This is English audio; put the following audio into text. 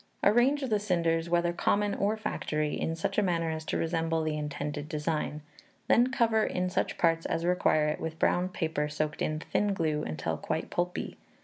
Arrange the cinders, whether common or factory, in such a manner as to resemble the intended design; then cover in such parts as require it with brown paper soaked in thin glue until quite pulpy.